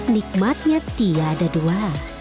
nikmatnya tiada dua